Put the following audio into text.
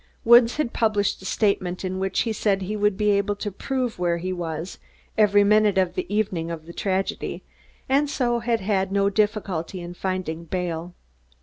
Woods had published a statement in which he said he would be able to prove where he was every minute of the evening of the tragedy, and so had had no difficulty in finding bail.